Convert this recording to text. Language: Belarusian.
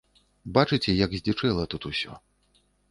Бачыце, як здзічэла тут усё.